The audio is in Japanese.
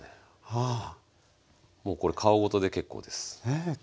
もうこれ皮ごとで結構です。